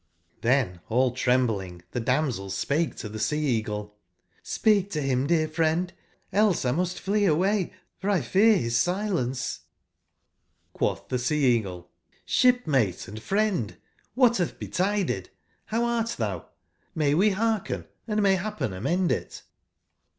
g4 87 W^^ip^l^ ^^^ trembling the damsel spake to the m^^ Sea/eagle: ''Speak to bim, dear friend, else H8^^ must 1 flee away, for 1 fear bis silence"j^ Quotb tbe Sea/eagle: ''Sbipmate and friend, wbat batb betided? Row art tbou? JVIay we bearken, and may bappen amend it